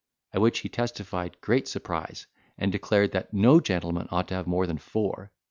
At which he testified great surprise, and declared that no gentleman ought to have more than four.